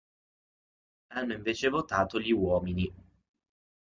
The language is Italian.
Hanno invece votato gli uomini".